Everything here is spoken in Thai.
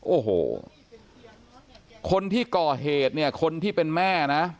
โอ้โหคนที่ก่อเหตุเนี่ยคนที่เป็นแม่นะ